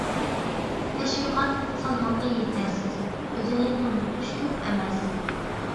تەشۋىقات سالمىقى يېتەرسىز، ئۆزىنى تونۇتۇش كۆپ ئەمەس.